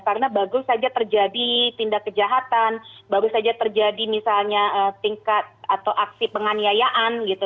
karena bagus saja terjadi tindak kejahatan bagus saja terjadi misalnya tingkat atau aksi penganiayaan gitu